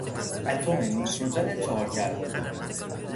اتم نیتروژن چهار کربنی